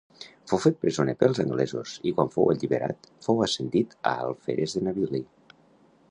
Fou fet presoner pels anglesos i quan fou alliberat fou ascendit a alferes de navili.